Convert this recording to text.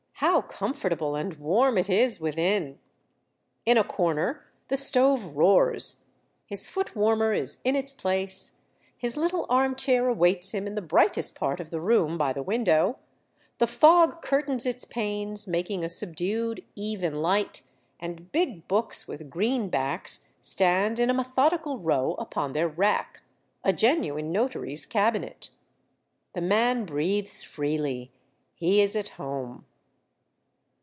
How comfortable and warm it is within ! In a corner the stove roars ; his foot warmer is in its place ; his little arm chair awaits him in the brightest part of the room, by the window ; the fog curtains its panes, making a subdued, even light, and big books with green backs, stand in a methodical row upon their rack. A genuine notary's cabinet. The man breathes freely. He is at home.